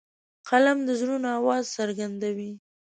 قلم د زړونو آواز څرګندوي